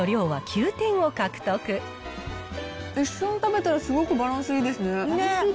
一緒に食べたらすごくバランスいいですね。